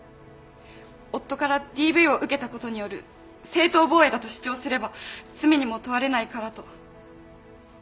夫からＤＶを受けたことによる正当防衛だと主張すれば罪にも問われないからと。